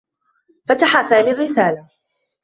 فتح سامي الرّسالة.